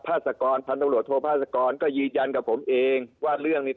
ภาษากรพันธุโรโทษภาษากรก็ยืนยันกับผมเองว่าเรื่องนี้